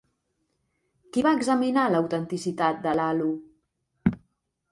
Qui va examinar l'autenticitat de l'halo?